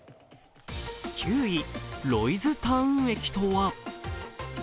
９位、ロイズタウン駅とは？